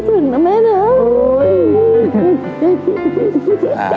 ขอบคุณครับแม่นะคุณคุณครับ